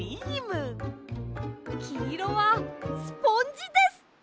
きいろはスポンジです！